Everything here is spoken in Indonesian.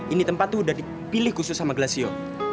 ini tempat tuh udah dipilih khusus sama glasio